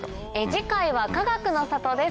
次回はかがくの里です。